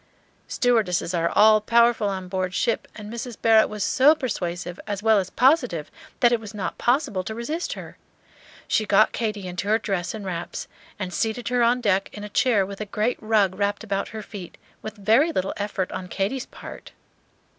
Stewardesses are all powerful on board ship, and Mrs. Barrett was so persuasive as well as positive that it was not possible to resist her. She got Katy into her dress and wraps, and seated her on deck in a chair with a great rug wrapped about her feet, with very little effort on Katy's part.